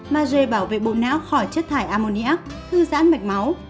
mage bảo vệ bộ não khỏi chất thải amoniac thư giãn mạch máu